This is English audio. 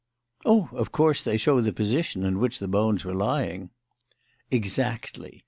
"Oh, of course, they show the position in which the bones were lying." "Exactly.